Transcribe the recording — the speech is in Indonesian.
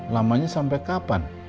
lamanya sampai kapan